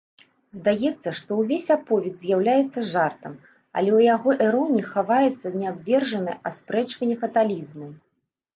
Здаецца, што ўвесь аповед з'яўляецца жартам, але ў яго іроніі хаваецца неабвержнае аспрэчванне фаталізму.